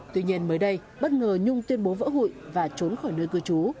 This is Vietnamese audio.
tuy nhiên mới đây bất ngờ nhung tuyên bố vỡ hụi và trốn khỏi nơi cư trú